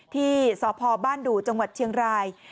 ที่สพบ้านดู่จังหวัดเชียงราย